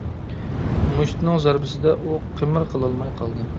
مۇشتنىڭ زەربىسىدە ئۇ قىمىر قىلالماي قالدى.